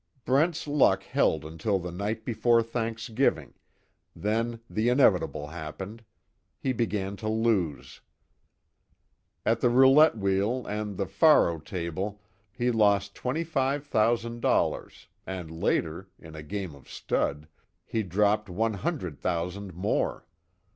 Brent's luck held until the night before Thanksgiving, then the inevitable happened he began to lose. At the roulette wheel and the faro table he lost twenty five thousand dollars, and later, in a game of stud, he dropped one hundred thousand more.